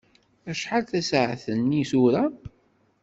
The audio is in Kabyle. Acḥal tasaɛet-nni tura?